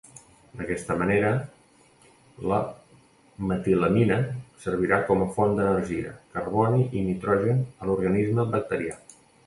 D’aquesta manera, la metilamina servirà com a font d’energia, carboni i nitrogen a l'organisme bacterià.